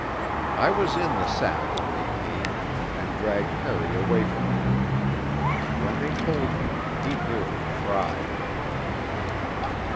I was in the sap when they came, and dragged Harry away from it. And when they told him he nearly cried.